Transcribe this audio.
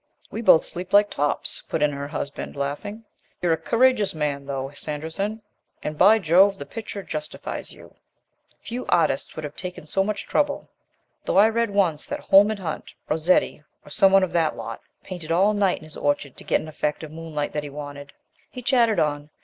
"We both sleep like tops," put in her husband, laughing. "You're a courageous man, though, Sanderson, and, by Jove, the picture justifies you. Few artist would have taken so much trouble, though I read once that Holman Hunt, Rossetti, or some one of that lot, painted all night in his orchard to get an effect of moonlight that he wanted." He chattered on.